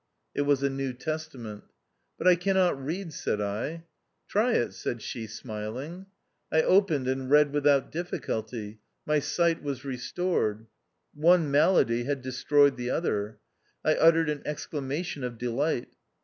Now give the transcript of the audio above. It was a New Testament. " But I cannot read," said I. "Try it," said she smiling. I opened and read without difficulty ; my sight was restored ! One malady had de stroyed the other. I uttered an exclamation of delight.